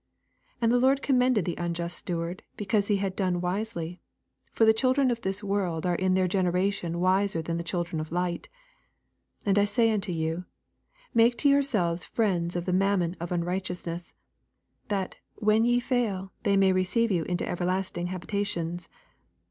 8 And the lord commended the unjust steward, because he had done wisely : for the children of this world are in their s^eneration wiser than the children of nght. 9 And 1 say unto you, Make to yourselves friends of the mammon of unrighteousness ; that, when ye fail, they may receive you into ever lasting habitations.